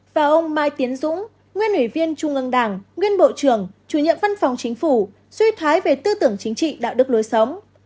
và ông mai tiến dũng nguyên ủy viên trung ương đảng nguyên bộ trưởng chủ nhiệm văn phòng chính phủ suy thoái về tư tưởng chính trị đạo đức lối sống